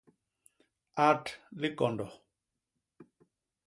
At likondo.